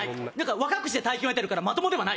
若くして大金を得ているからまともではない！